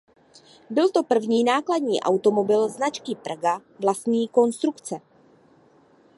Byl to první nákladní automobil značky Praga vlastní konstrukce.